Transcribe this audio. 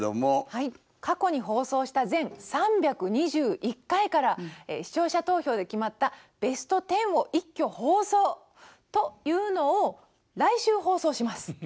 はい過去に放送した全３２１回から視聴者投票で決まったベスト１０を一挙放送というのを来週放送します。